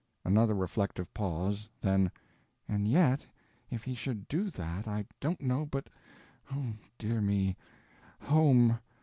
Another reflective pause—then: "And yet if he should do that I don't know but—oh, dear me—_home!